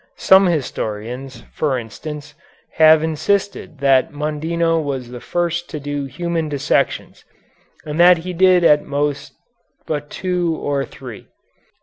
Some historians, for instance, have insisted that Mondino was the first to do human dissections, and that he did at most but two or three.